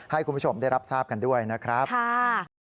ให้คุณผู้ชมได้รับทราบกันด้วยนะครับค่ะ